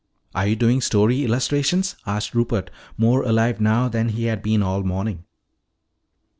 "Are you doing story illustrations?" asked Rupert, more alive now than he had been all morning.